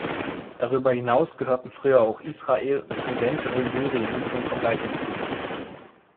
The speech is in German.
Darüber hinaus gehörten früher auch Israel und eventuell Syrien zum Verbreitungsgebiet.